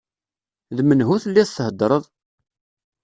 D menhu telliḍ theddreḍ?